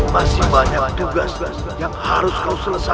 masih banyak tugas tugas yang harus kau selesaikan